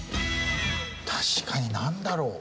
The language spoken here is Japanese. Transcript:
確かになんだろう？